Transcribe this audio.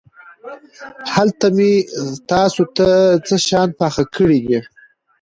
هلته مې تاسو ته څه شيان پاخه کړي دي.